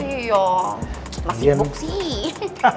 iya masih buk sih